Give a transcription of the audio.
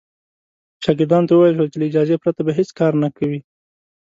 شاګردانو ته وویل شول چې له اجازې پرته به هېڅ کار نه کوي.